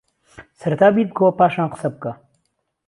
سەرەتا بیر بکەوە پاشان قسەبکە